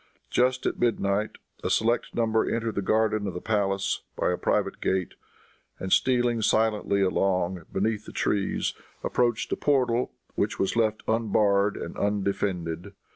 Just at midnight a select number entered the garden of the palace, by a private gate, and stealing silently along, beneath the trees, approached a portal which was left unbarred and undefended.